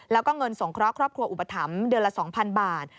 แล้วก็เงินสงเคราะห์ครอบครัวอุปถัมภ์เดือนละ๒๐๐๐บาท